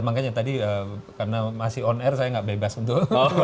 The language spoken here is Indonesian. makanya tadi karena masih on air saya nggak bebas untuk